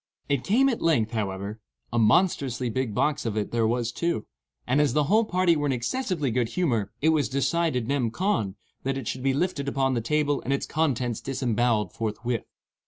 It came at length, however,—a monstrously big box of it there was, too—and as the whole party were in excessively good humor, it was decided, nem. con., that it should be lifted upon the table and its contents disembowelled forthwith.